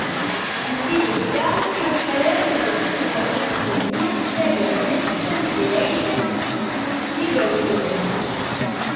Tidukla i uḥraz d usnerni n tgemmi tagamant tamezrayt n Yiderginen.